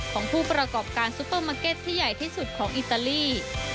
ของผู้ประกอบการซุปเปอร์มาร์เก็ตที่ใหญ่ที่สุดของอิตาลี